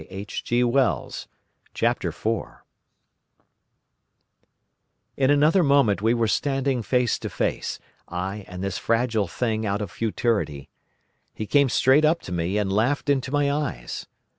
In the Golden Age "In another moment we were standing face to face, I and this fragile thing out of futurity. He came straight up to me and laughed into my eyes.